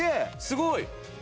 すごい。